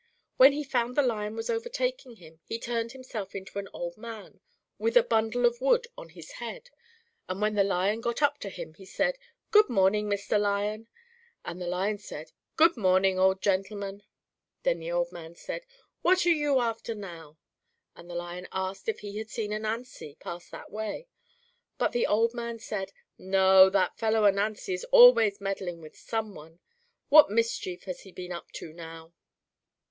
When he found the Lion was overtaking him, he turned himself into an old man with a bundle of wood on his head and when the Lion got up to him, he said, "Good morning, Mr. Lion," and the Lion said, "Good morning, old gentleman." Then the old man said, "What are you after now?" and the Lion asked if he had seen Ananzi pass that way, but the old man said, "No, that fellow Ananzi is always meddling with some one; what mischief has he been up to now?"